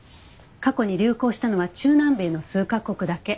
過去に流行したのは中南米の数カ国だけ。